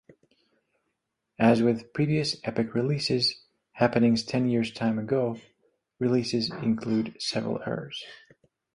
As with previous Epic releases, "Happenings Ten Years Time Ago" releases include several errors.